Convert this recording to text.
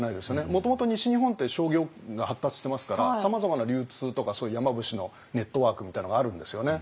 もともと西日本って商業が発達してますからさまざまな流通とかそういう山伏のネットワークみたいなのがあるんですよね。